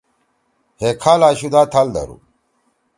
ہے کھال آشُو دا تھال دھرُو۔